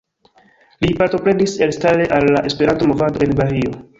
Li partoprenis elstare al la Esperanto-movado en Bahio.